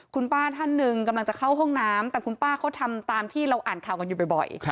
คุณป้าท่านหนึ่งกำลังจะเข้าห้องน้ำแต่คุณป้าเขาทำตามที่เราอ่านข่าวกันอยู่บ่อย